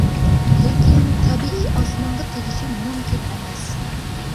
لېكىن تەبىئىي ئاسمانغا تېگىشى مۇمكىن ئەمەس.